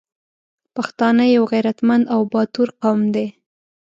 پښتانه یو غریتمند او باتور قوم دی